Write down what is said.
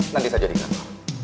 nanti saya jadikan lo